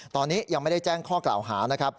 ตอนนี้ยังไม่ได้แจ้งข้อกล่าวหา